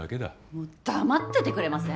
もう黙っててくれません？